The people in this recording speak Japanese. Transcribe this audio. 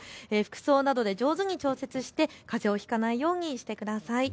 服装などで上手に調節して、かぜをひかないようにしてください。